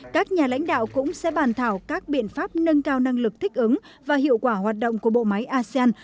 các nhà lãnh đạo cũng sẽ bàn thảo các biện pháp nâng cao năng lực thích ứng và hiệu quả hoạt động của bộ máy asean